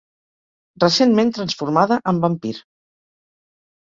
Recentment transformada amb vampir.